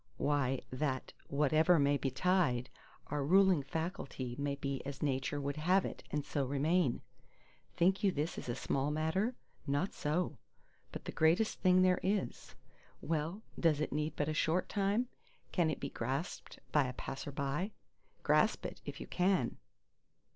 —Why, that whatever may betide, our ruling faculty may be as Nature would have it, and so remain. Think you this a small matter? Not so! but the greatest thing there is. Well, does it need but a short time? Can it be grasped by a passer by?—grasp it, if you can!